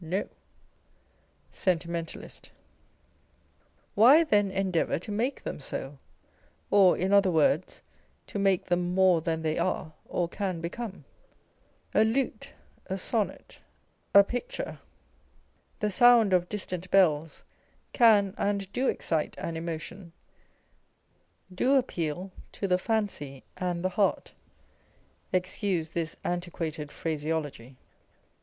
No. Sentimentalist. Why, then, endeavour to make them so ; or in other words, to make them more than they are or can become ? A lute, a sonnet, a picture, the sound of distant bells can and do excite an emotion, do appeal to the fancy and the heart (excuse this antiquated phrase ology